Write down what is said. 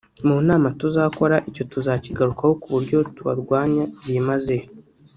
Mu nama tuzakora icyo tuzakigarukaho kuburyo tubarwanya byimazeyo